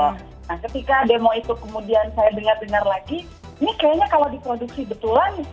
nah ketika demo itu kemudian saya dengar dengar lagi ini kayaknya kalau diproduksi betulan lucu juga nih gitu ya